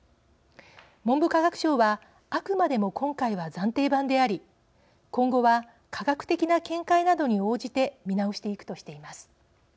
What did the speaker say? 文部科学省はあくまでも今回は暫定版であり今後は科学的な見解などに応じて見直していくとしています。